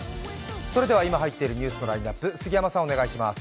それでは今入っているニュースのラインナップ、杉山さんお願いします。